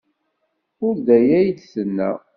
Ur d aya ay d-tenna.